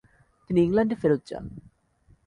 তিনি ইংল্যান্ডে ফেরত যান।